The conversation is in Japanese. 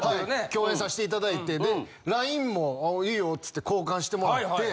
共演さしていただいてＬＩＮＥも「いいよ」つって交換してもらって。